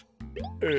え。